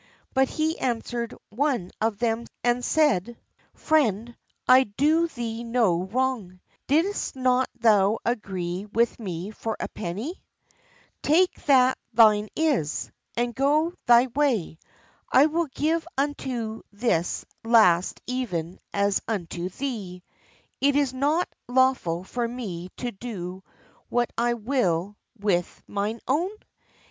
But he answered one of them, and said: /! 15 33 :;/"; LABOURERS IN THE VINEYARD "Friend, I do thee no wrong: didst not thou agree with me for a penny? Take that thine is, and go thy way: I will give unto this last even as unto thee. Is it not lawful for me to do what I will with mine own?